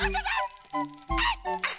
あっ！